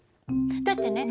だってね